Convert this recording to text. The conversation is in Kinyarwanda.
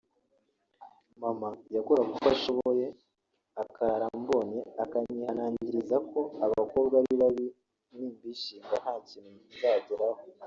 mama yakoraga uko ashoboye akarara ambonye akanyihanangiriza ko abakobwa ari babi nimbishinga nta kintu nzageraho